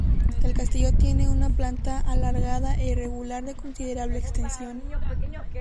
El castillo tiene una planta alargada e irregular de considerable extensión.